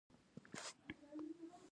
سلطان به له خپلو نژدې امراوو سره ډوډۍ خوړه.